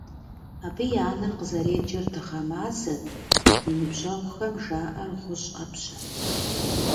Абы и анэр къызэреджэр Дыгъэ-Мазэт, и ныбжьэгъухэм жаӀэр ГъущӀ Ӏэпщэт!